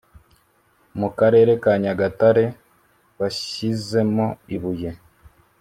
mu karere ka Nyagatare washyizemo ibuye